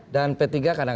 dan p tiga kadang kadang